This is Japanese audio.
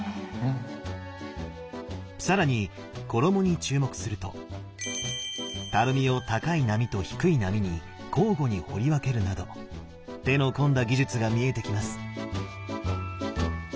更に衣に注目するとたるみを高い波と低い波に交互に彫り分けるなど手の込んだ技術が見えてきます。